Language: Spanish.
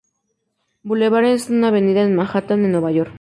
Boulevard, es una avenida de Manhattan, en Nueva York.